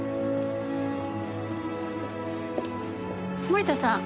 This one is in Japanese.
森田さん。